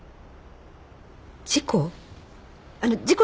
事故？